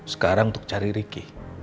sekarang untuk cari ricky